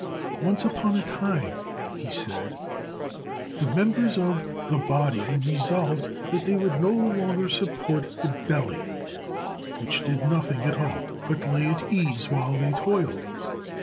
"Once upon a time," he said, "the members of the body resolved that they would no longer support the belly, which did nothing at all, but lay at ease while they toiled.